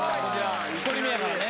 １人目やからね。